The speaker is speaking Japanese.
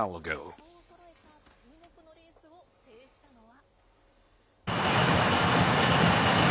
実力者が顔をそろえた注目のレースを制したのは？